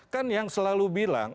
kan yang selalu bilang